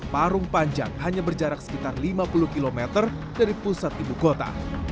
parung panjang hanya berjarak sekitar lima puluh km dari pusat ibu kota